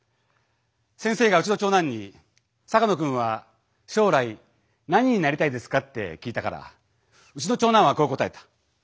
先生がうちの長男に「坂野君は将来何になりたいですか？」って聞いたからうちの長男はこう答えた。